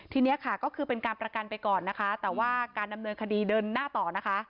ทีนี้ค่ะก็คือเป็นการประกันไปก่อนนะคะแต่ว่าการดำเนินคดีเดินหน้าต่อนะคะ